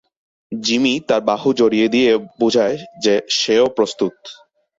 Jimmy তার বাহু ছড়িয়ে দিয়ে বোঝায় যে সেও প্রস্তুত।